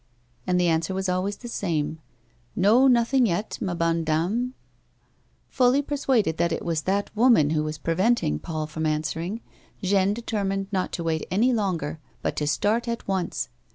And the answer was always the same :" No, nothing vet, ma bonne daine." A WOMAN'S LIFE. 233 Fully persuaded that it was that woman who was pre veniing Paul from answering, Jeanne determined not to wait any longer, but to start at once.